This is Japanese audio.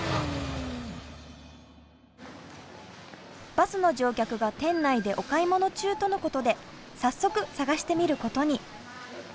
バスの乗客が店内でお買い物中とのことで早速探してみることに。